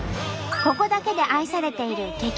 ここだけで愛されている激